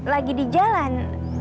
lagi di jalan